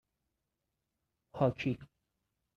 هاکی